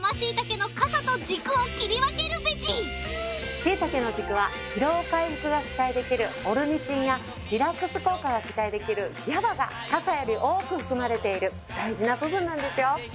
まずはしいたけの軸は疲労回復が期待できるオルニチンやリラックス効果が期待できるＧＡＢＡがカサより多く含まれている大事な部分なんですよ。